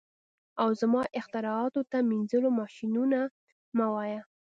او زما اختراعاتو ته مینځلو ماشینونه مه وایه